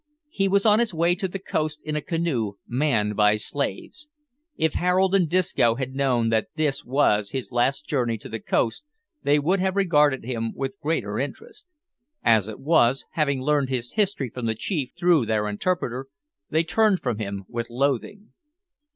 He was on his way to the coast in a canoe manned by slaves. If Harold and Disco had known that this was his last journey to the coast they would have regarded him with greater interest. As it was, having learned his history from the chief through their interpreter, they turned from him with loathing.